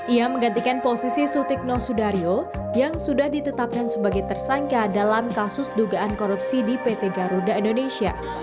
ia menggantikan posisi sutikno sudario yang sudah ditetapkan sebagai tersangka dalam kasus dugaan korupsi di pt garuda indonesia